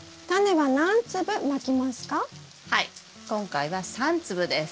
はい今回は３粒です。